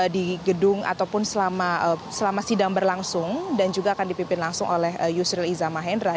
di gedung ataupun selama sidang berlangsung dan juga akan dipimpin langsung oleh yusril iza mahendra